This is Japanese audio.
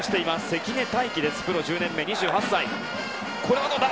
関根大気、プロ１０年目２８歳。